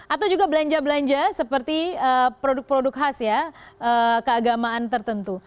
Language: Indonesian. atau juga belanja belanja seperti produk produk khas ya keagamaan tertentu